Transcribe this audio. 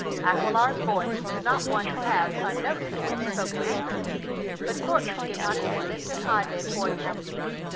Aquilar's voice was not one to pass unnoticed when he spoke in anger, but Courtland did not even lift an eyelid toward him.